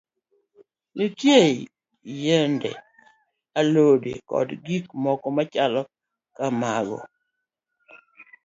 Nitie yiende, alode, kod gik mamoko machalo kamago.